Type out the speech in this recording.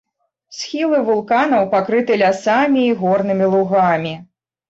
Схілы вулканаў пакрыты лясамі і горнымі лугамі.